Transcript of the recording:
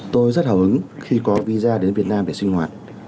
tôi rất hào hứng khi có visa đến việt nam để sinh hoạt